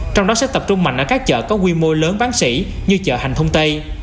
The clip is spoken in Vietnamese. trong đó sẽ tập trung mạnh ở các chợ có quy mô lớn bán xỉ như chợ hành thông tây